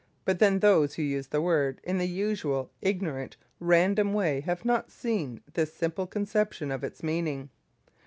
But then those who use the word in the usual ignorant, random way have not even this simple conception of its meaning.